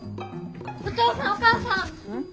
お父さんお母さん！